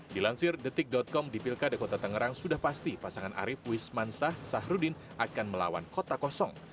dilansir detik com di pilkada kota tangerang sudah pasti pasangan arief wisman sah sahrudin akan melawan kota kosong